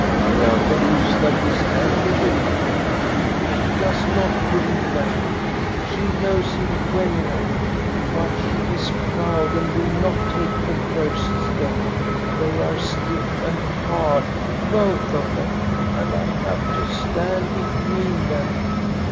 " Marianne believes that he is angry with her." " She does not believe that. She knows him well enough ; but she is proud and will not take the first step. They are stiff and hard, both of them, and I have to stand between them."